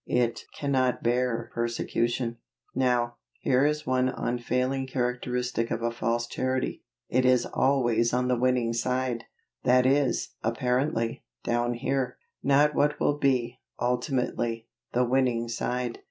It cannot bear persecution. Now, here is one unfailing characteristic of a false Charity: it is always on the winning side that is, apparently, down here; not what will be, ultimately, the winning side.